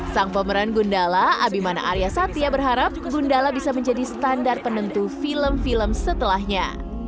sang pemeran gundala abimana arya satya berharap gundala bisa menjadi standar penentu film film setelahnya